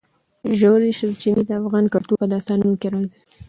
ژورې سرچینې د افغان کلتور په داستانونو کې راځي.